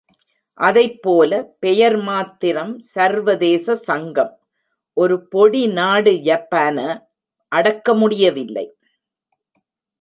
அதைப்போல பெயர் மாத்திரம் சர்வதேச சங்கம், ஒரு பொடிநாடு ஜப்பான அடக்கமுடியவில்லை.